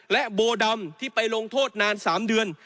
และโบดำที่ไปลงโทษนาน๓เดือน